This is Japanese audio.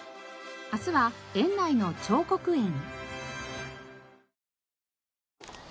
明日は園内の彫刻園。